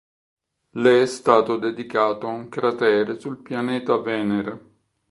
Le è stato dedicato un cratere sul pianeta Venere.